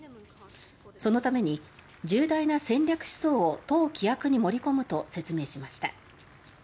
そのために重大な戦略思想を党規約に盛り込むと説明しました。